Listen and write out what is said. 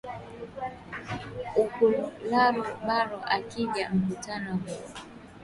uku lora bagbo akikaja mkutano huo